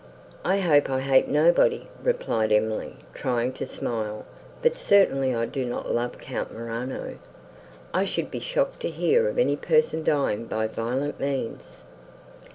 "I hope I hate nobody," replied Emily, trying to smile; "but certainly I do not love Count Morano. I should be shocked to hear of any person dying by violent means."